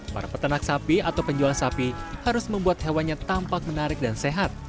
para peternak sapi atau penjual sapi harus membuat hewannya tampak menarik dan sehat